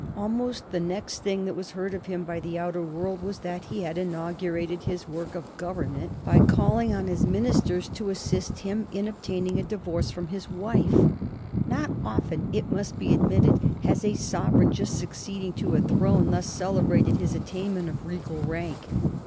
Almost the next thing that was heard of him by the outer world was that he had inaugurated his work of government by calling on his ministers to assist him in obtaining a divorce from his wife. Not often, it must be admitted, has a sovereign just succeeding to a throne thus celebrated his attainment of regal rank.